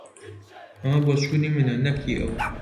ئەمە بۆچوونی منە، نەک هی ئەو.